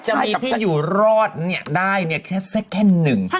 จะมีที่อยู่รอดได้แค่แค่หนึ่ง